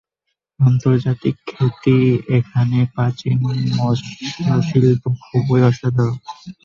আন্তর্জাতিকভাবে খ্যাত এখানের প্রাচীন মৃৎশিল্প খুবই অসাধারণ।